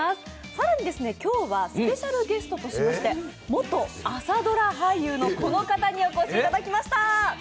更に今日はスペシャルゲストとしまして元朝ドラ俳優のこの方にお越しいただきました。